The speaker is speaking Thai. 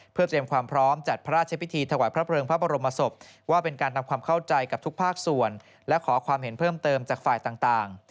เพื่อเตรียมความพร้อมจัดพระราชพิธีถวายพระเพลิงพระบรมศพว่าเป็นการทำความเข้าใจกับทุกภาคส่วนและขอความเห็นเพิ่มเติมจากฝ่ายต่าง